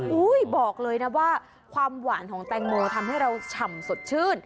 บอกเลยนะว่าความหวานของแตงโมทำให้เราฉ่ำสดชื่น